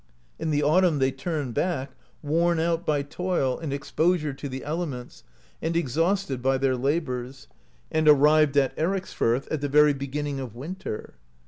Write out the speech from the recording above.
In the autumn they turned l>ack, worn out by toil, and exposure to the elements, and exhausted by their labours, and arrived at Ericsfirth at the verj^ beginning of winter.